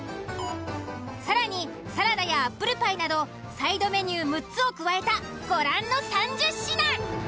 更にサラダやアップルパイなどサイドメニュー６つを加えたご覧の３０品。